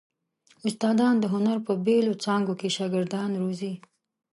استادان د هنر په بېلو څانګو کې شاګردان روزي.